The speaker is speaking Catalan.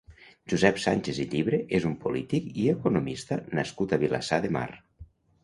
Josep Sánchez i Llibre és un polític i economista nascut a Vilassar de Mar.